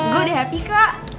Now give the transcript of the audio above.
gue udah happy kok